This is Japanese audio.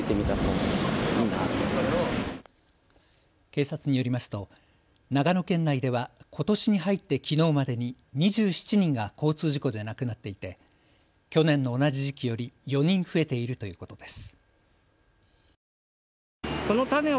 警察によりますと長野県内ではことしに入ってきのうまでに２７人が交通事故で亡くなっていて去年の同じ時期より４人増えているということです。